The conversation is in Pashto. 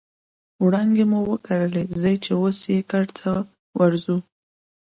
وړانګې مو وکرلې ځي چې اوس یې کرته ورځو